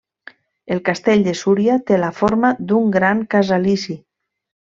El castell de Súria té la forma d'un gran casalici.